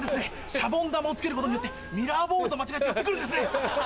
シャボン玉をつけることによってミラーボールと間違って寄ってくるんですね。